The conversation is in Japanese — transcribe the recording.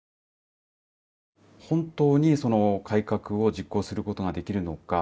本当に、改革を実行することができるのか。